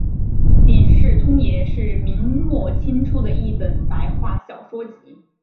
警世通言是明末清初的一本白话小说集。